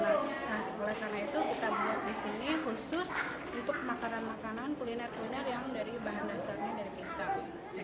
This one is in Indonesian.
nah oleh karena itu kita buat di sini khusus untuk makanan makanan kuliner kuliner yang dari bahan dasarnya dari pisang